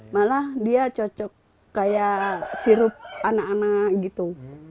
malah dia cocok kayak sirup anak anak gitu